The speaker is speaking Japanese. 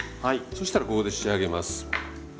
そしたらここで仕上げます。